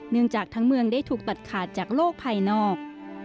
จากทั้งเมืองได้ถูกตัดขาดจากโลกภายนอก